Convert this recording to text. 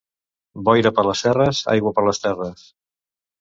Boira per les serres, aigua per les terres.